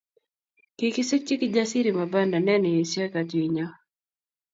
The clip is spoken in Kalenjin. Kikisikchi Kijasiri mabanda neni esioi katuiyenyo